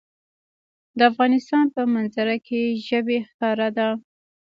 د افغانستان په منظره کې ژبې ښکاره ده.